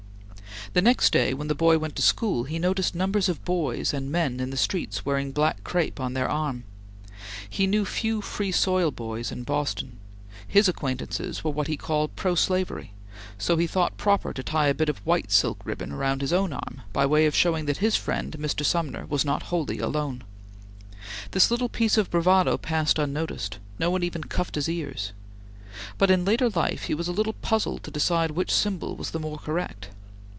The next day, when the boy went to school, he noticed numbers of boys and men in the streets wearing black crepe on their arm. He knew few Free Soil boys in Boston; his acquaintances were what he called pro slavery; so he thought proper to tie a bit of white silk ribbon round his own arm by way of showing that his friend Mr. Sumner was not wholly alone. This little piece of bravado passed unnoticed; no one even cuffed his ears; but in later life he was a little puzzled to decide which symbol was the more correct.